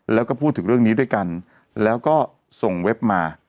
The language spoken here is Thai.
แล้วก็พูดถึงเรื่องนี้ด้วยกันแล้วก็ส่งเว็บมา